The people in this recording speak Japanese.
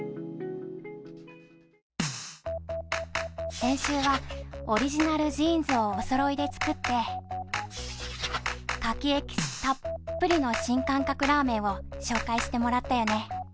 先週はオリジナルジーンズをおそろいで作って、かきエキスたっぷりの新感覚ラーメンを紹介してもらったよね。